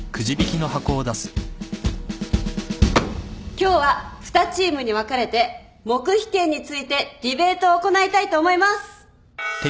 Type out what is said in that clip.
今日は２チームに分かれて黙秘権についてディベートを行いたいと思います。